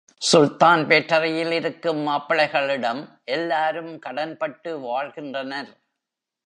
சுல்தான் பேட்டரியிலிருக்கும் மாப்பிள்ளைகளிடம் எல்லாரும் கடன்பட்டு வாழ்கின்றனர்.